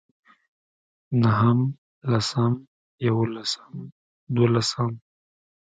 نهم لسم يولسم دولسم